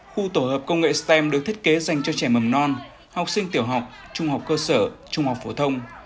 khu tổ hợp công nghệ stem được thiết kế dành cho trẻ mầm non học sinh tiểu học trung học cơ sở trung học phổ thông